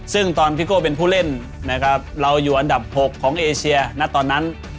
ซึ่งตอนพี่โก้เป็นผู้เล่นนะครับเราอยู่อันดับ๖ของเอเชียณตอนนั้น